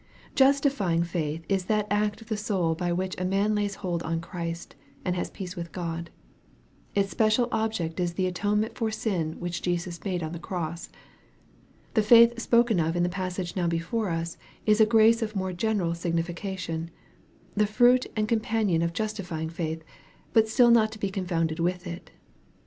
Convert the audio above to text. Justifying faith is that act of the soul by which a man lays hold on Christ, and has peace with God. Its special object is the atonement for sin which Jesus made on the cross. The faith spoken of in the passage now before us is a grace of more general signification, the fruit and companion of justifying faith, but still not to be con founded with it.